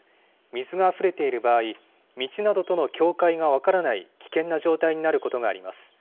水があふれている場合、道などとの境界が分からない危険な状態になることがあります。